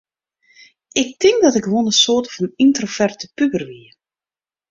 Ik tink dat ik gewoan in soarte fan yntroverte puber wie.